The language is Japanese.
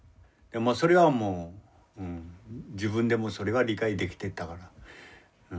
それはもう自分でもそれは理解できてたから。